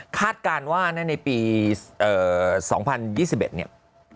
คาดการณ์ว่าในปี๒๐๒๑เนี่ย